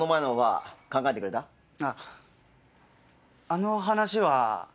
あの話は。